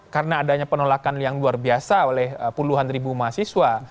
karena adanya penolakan yang luar biasa oleh puluhan ribu mahasiswa